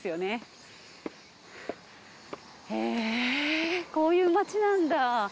へぇこういう街なんだ。